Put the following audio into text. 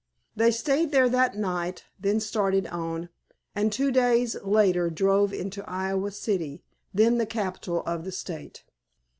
They stayed there that night, then started on, and two days later drove into Iowa City, then the capital of the State.